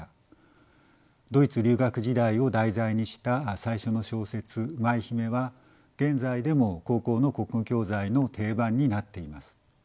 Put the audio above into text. ドイツ留学時代を題材にした最初の小説「舞姫」は現在でも高校の国語教材の定番になっています。